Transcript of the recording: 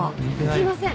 すいません。